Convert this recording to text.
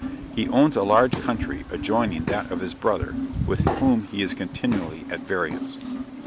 He owns a large country adjoining that of his brother, with whom he is continually at variance.